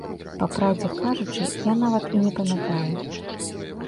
Па праўдзе кажучы, я нават і не памятаю.